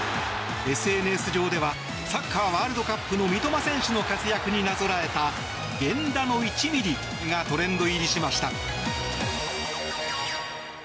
ＳＮＳ上ではサッカーワールドカップの三笘選手の活躍になぞらえた源田の１ミリがトレンド入りしました。